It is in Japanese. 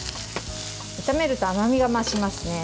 炒めると甘みが増しますね。